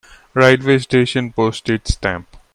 Railway station Postage stamp.